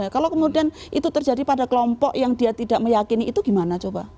kalau kemudian itu terjadi pada kelompok yang dia tidak meyakini itu gimana coba